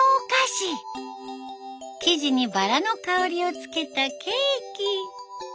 生地にバラの香りをつけたケーキ。